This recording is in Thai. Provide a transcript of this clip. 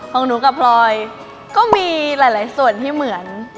ของหนูกับพลอยก็มีหลายส่วนที่เหมือน